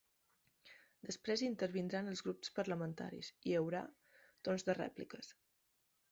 Després hi intervindran els grups parlamentaris i hi haurà torns de rèpliques.